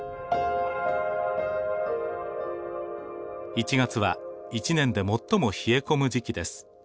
１月は１年で最も冷え込む時期です。